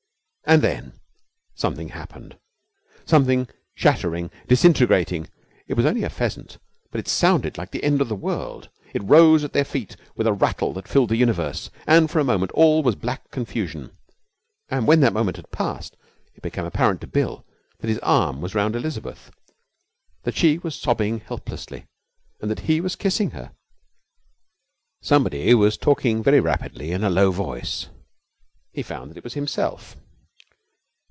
And then something happened something shattering, disintegrating. It was only a pheasant, but it sounded like the end of the world. It rose at their feet with a rattle that filled the universe, and for a moment all was black confusion. And when that moment had passed it became apparent to Bill that his arm was round Elizabeth, that she was sobbing helplessly, and that he was kissing her. Somebody was talking very rapidly in a low voice. He found that it was himself.